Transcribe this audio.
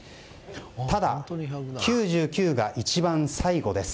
ただ９９が一番最後です。